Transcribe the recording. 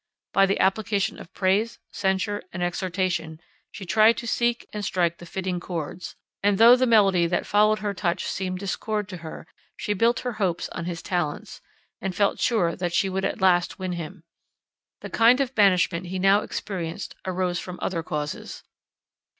By the application of praise, censure, and exhortation, she tried to seek and strike the fitting chords; and though the melody that followed her touch seemed discord to her, she built her hopes on his talents, and felt sure that she would at last win him. The kind of banishment he now experienced arose from other causes.